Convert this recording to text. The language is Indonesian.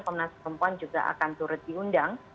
komnas perempuan juga akan turut diundang